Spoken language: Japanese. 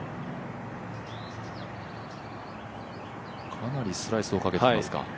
かなりスライスをかけていますか。